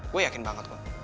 gue yakin banget bro